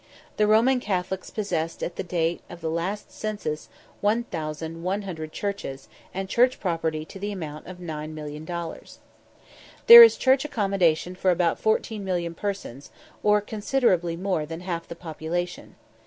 The Roman Catholics possessed at the date of the last census 1112 churches, and church property to the amount of 9,000,000 dollars. There is church accommodation for about 14,000,000 persons, or considerably more than half the population.